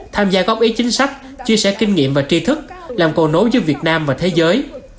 tham gia góp ý chính sách chia sẻ kinh nghiệm và tri thức làm cầu nối giữa việt nam và thế giới